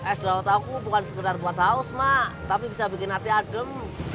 es daun aku bukan sekedar buat haus mak tapi bisa bikin hati adem